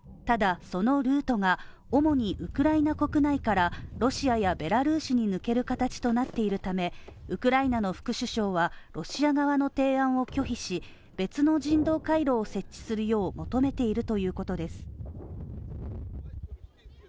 ただ、そのルートが主にウクライナ国内からロシアやベラルーシに抜ける形となっているためウクライナの副首相はロシア側の提案を拒否し別の人道回廊を設置するよう求めているということです。